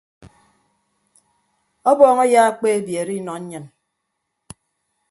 Ọbọñ eyekpe ebiere ọnọ nnyịn.